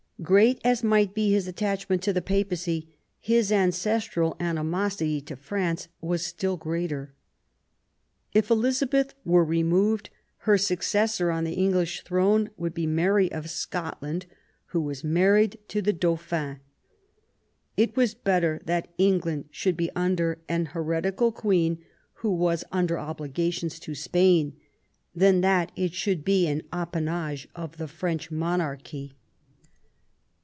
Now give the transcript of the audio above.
Great as might be his attachment to the Papacy, his ancestral animosity to France was still greater. If Elizabeth were removed, her successor on the English throne would be Mary of Scotland, who was married to the Dauphin. It was better that England should be under an heretical Queen, who was under obligations to Spain, than that it should be an appanage of the French monarchy.